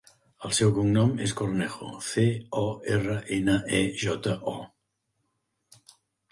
El seu cognom és Cornejo: ce, o, erra, ena, e, jota, o.